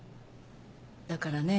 だからね